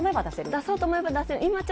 出そうと思えば出せます。